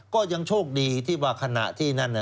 ก็ยังโชคดีที่ว่าขณะที่นั่น